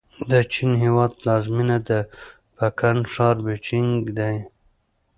د چین هېواد پلازمېنه د پکن ښار بیجینګ دی.